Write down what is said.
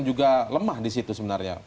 juga lemah di situ sebenarnya